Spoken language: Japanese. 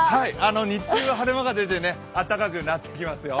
日中は晴れ間が出て暖かくなってきますよ。